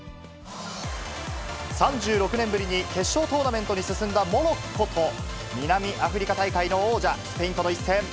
３６年ぶりに決勝トーナメントに進んだモロッコと、南アフリカ大会の王者、スペインとの一戦。